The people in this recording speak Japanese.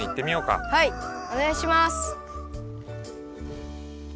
はいおねがいします。